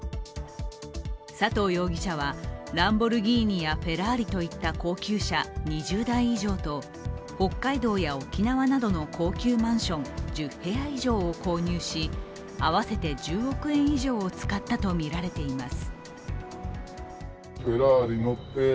佐藤容疑者は、ランボルギーニやフェラーリといった高級車２０台以上と北海道や沖縄などの高級マンション１０部屋以上を購入し合わせて１０億円以上を使ったとみられています。